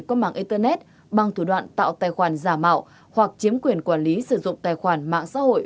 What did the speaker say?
qua mạng internet bằng thủ đoạn tạo tài khoản giả mạo hoặc chiếm quyền quản lý sử dụng tài khoản mạng xã hội